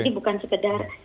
ini bukan sekedar